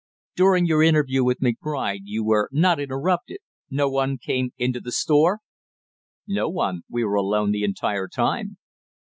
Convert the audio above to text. "During your interview with McBride you were not interrupted, no one came into the store?" "No one; we were alone the entire time."